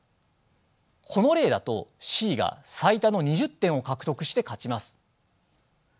この例だとＣが最多の２０点を獲得して勝ちます。